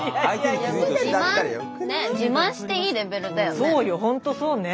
何かそうよほんとそうね。